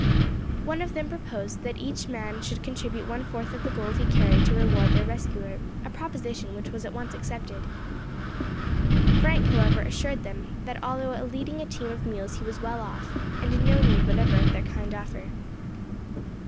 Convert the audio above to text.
One of them proposed that each man should contribute one fourth of the gold he carried to reward their rescuer, a proposition which was at once accepted. Frank, however, assured them that although leading a team of mules he was well off, and in no need whatever of their kind offer.